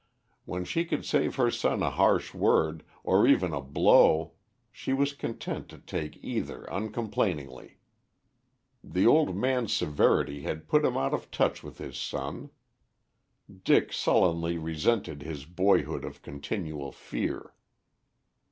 When she could save her son a harsh word, or even a blow, she was content to take either uncomplainingly. The old man's severity had put him out of touch with his son. Dick sullenly resented his boyhood of continual fear.